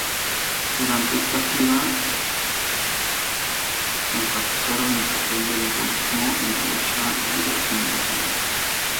Durante esta gira, enfatizaron el papel del budismo en la lucha de liberación nacional.